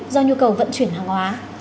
do nhu cầu vận chuyển hàng hóa